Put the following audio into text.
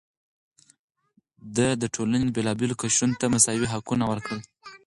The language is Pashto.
ده د ټولنې بېلابېلو قشرونو ته مساوي حقونه ورکړل.